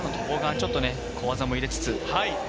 小技も入れつつ。